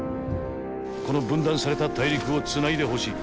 この分断された大陸を繋いでほしい。